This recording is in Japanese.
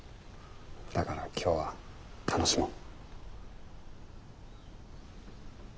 だから今日は楽しもう。